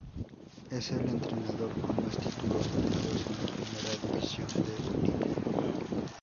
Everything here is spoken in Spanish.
Es el entrenador con más títulos ganados en la Primera División de Bolivia.